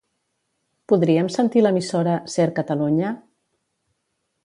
Podríem sentir l'emissora "Ser Catalunya"?